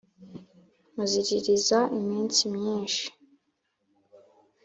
Muziririza iminsi myinshi